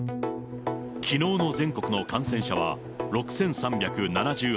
きのうの全国の感染者は６３７８人。